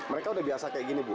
mereka udah biasa kayak gini bu